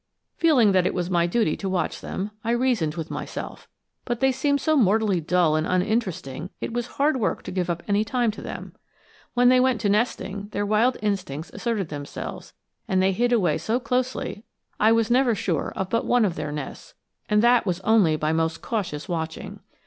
Feeling that it was my duty to watch them, I reasoned with myself, but they seemed so mortally dull and uninteresting it was hard work to give up any time to them. When they went to nesting, their wild instincts asserted themselves, and they hid away so closely I was never sure of but one of their nests, and that only by most cautious watching.